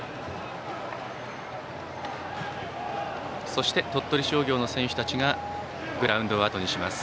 そして、鳥取商業の選手たちがグラウンドをあとにします。